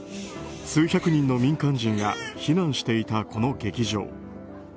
数百人の民間人が避難していたこの劇場。